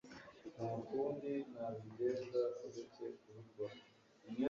nta kundi nabigenza uretse kubikora